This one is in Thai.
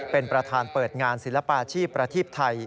เป็นประธานเปิดงานศิลปาชีพประทีปไทย